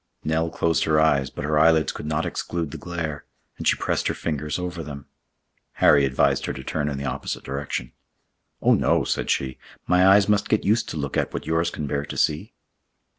Nell closed her eyes, but her eyelids could not exclude the glare, and she pressed her fingers over them. Harry advised her to turn in the opposite direction. "Oh, no," said she, "my eyes must get used to look at what yours can bear to see!"